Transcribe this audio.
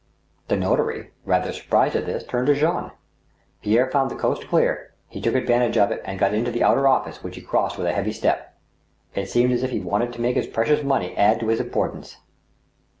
The notary, rather surprised at this, turned to Jean. Pierre found the coast clear ; he took advantage of it, and got into the outer office, which he crossed with a heavy step. It seemed as if he wanted to make his precious money add to his importance.